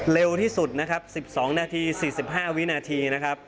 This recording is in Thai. เร็วที่สุดนะครับ๑๒นาที๔๕วินาทีนะครับ